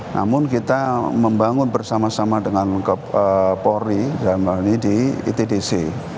namun kita membangun bersama sama dengan polri dalam hal ini di itdc